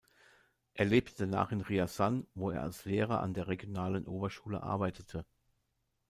Er lebte danach in Rjasan, wo er als Lehrer an der regionalen Oberschule arbeitete.